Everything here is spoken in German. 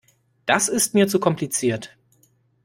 Das ist mir zu kompliziert.